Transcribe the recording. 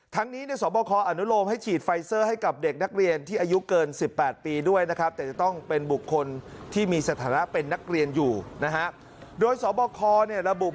ทั้งนี้สอบบ่อคออนุโลมให้ฉีดไฟเซอร์ให้กับเด็กนักเรียนที่อายุเกิน๑๘ปีด้วยนะครับ